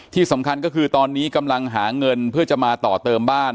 ที่สำคัญก็คือตอนนี้กำลังหาเงินเพื่อจะมาต่อเติมบ้าน